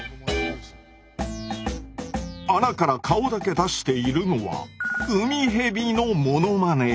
穴から顔だけ出しているのはウミヘビのものまね！